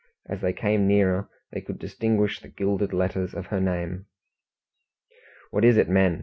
As they came nearer, they could distinguish the gilded letters of her name. "What is it, men?"